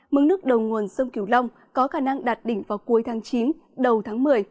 mức nước đầu nguồn sông kiều long có khả năng đạt đỉnh vào cuối tháng chín đầu tháng một mươi